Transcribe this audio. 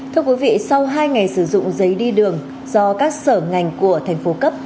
thưa quý vị sau hai ngày sử dụng giấy đi đường do các sở ngành của tp cup